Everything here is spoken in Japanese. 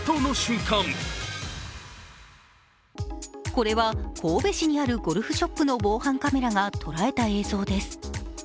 これは神戸市にあるゴルフショップの防犯カメラが捉えた映像です。